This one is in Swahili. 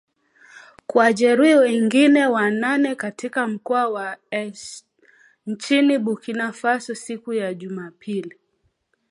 kuwajeruhi wengine wanane katika mkoa wa Est nchini Burkina Faso siku ya Jumapili